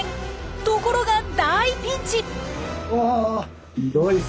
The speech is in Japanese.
ところが大ピンチ！あっ！